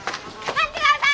待ってください！